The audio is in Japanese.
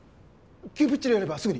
急ピッチでやればすぐに。